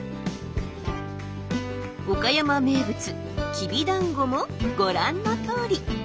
岡山名物きびだんごもご覧のとおり。